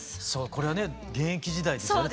これはね現役時代ですよね？